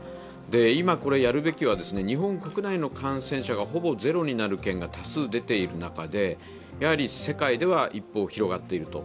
今、やるべきは日本国内の感染者がほぼゼロになる県が多数出ている中で世界では一方広がっていると。